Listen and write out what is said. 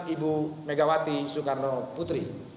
ibu megawati soekarno putri